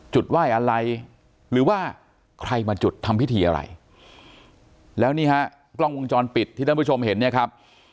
ไหว้อะไรหรือว่าใครมาจุดทำพิธีอะไรแล้วนี่ฮะกล้องวงจรปิดที่ท่านผู้ชมเห็นเนี่ยครับ